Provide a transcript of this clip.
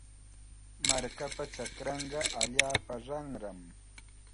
Markapa chakranqa allaapa ranram.